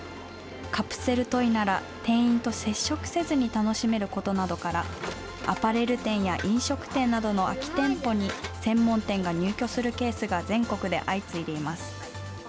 カプセルトイなら、店員と接触せずに楽しめることなどから、アパレル店や飲食店などの空き店舗に専門店が入居するケースが、全国で相次いでいます。